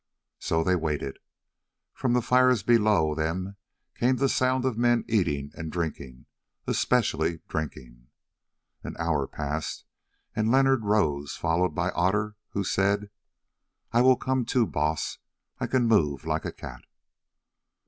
So they waited. From the fires below them came the sound of men eating and drinking—especially drinking. An hour passed, and Leonard rose, followed by Otter, who said: "I will come too, Baas; I can move like a cat."